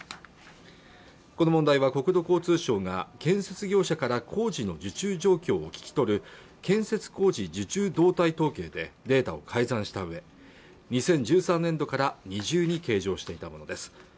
この問題は国土交通省が建設業者から工事の受注状況を聞き取る建設工事受注動態統計でデータを改ざんした上２０１３年度から二重に計上していたものです